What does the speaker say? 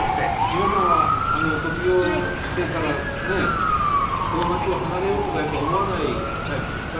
皆さんは卒業してからこの町を離れようとかやっぱ思わないタイプですか？